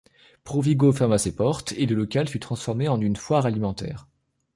Provigo ferma ses portes et le local fut transformé en une foire alimentaire.